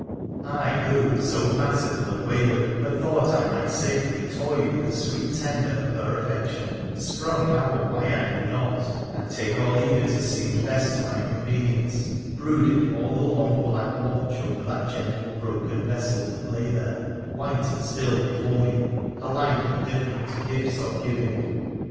I, who, so fanciful and wayward, had thought I might safely toy with the sweet tender of her affection — sprung how or why I knew not — and take or leave PHP A THE PHOENICIAN 215 it as seemed best to my convenience, brooded, all the long black watch, over that gentle broken vessel that lay there white and still before me, alike indifferent to gifts or giving.